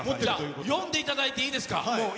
読んでいただいていいですか。